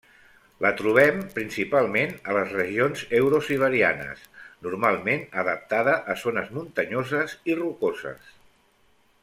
La trobem principalment a les regions eurosiberianes, normalment adaptada a zones muntanyoses i rocoses.